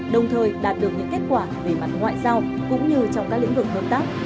đồng thời đạt được những kết quả về mặt ngoại giao cũng như trong các lĩnh vực hợp tác